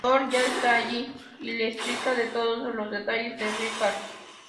Rory ya está ahí y le explica de todos los detalles de Richard.